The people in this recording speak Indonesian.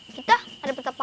kita gak dapat apa apa